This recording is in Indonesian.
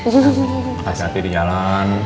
makasih hati di jalan